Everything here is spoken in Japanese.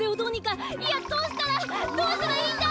いやどうしたらどうしたらいいんだ！？